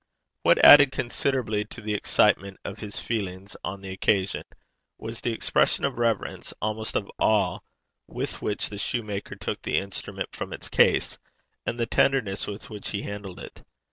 What added considerably to the excitement of his feelings on the occasion, was the expression of reverence, almost of awe, with which the shoemaker took the instrument from its case, and the tenderness with which he handled it.